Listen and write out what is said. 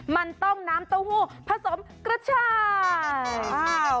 มันต้องน้ำเต้าหู้ผสมกระชาย